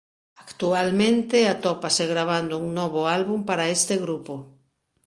Actualmente atópase gravando un novo álbum para este grupo.